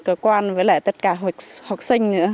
cơ quan với lại tất cả học sinh nữa